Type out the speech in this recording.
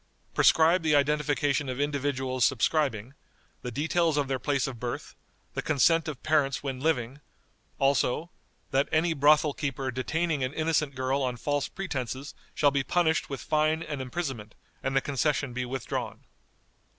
Prescribe the identification of individuals subscribing; the details of their place of birth; the consent of parents when living; also, "That any brothel keeper detaining an innocent girl on false pretenses shall be punished with fine and imprisonment, and the concession be withdrawn."